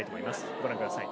ご覧ください。